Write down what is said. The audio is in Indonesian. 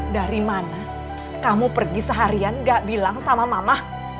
dari mana kamu pergi seharian gak bilang sama mama